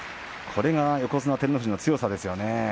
これが横綱照ノ富士の強さですね。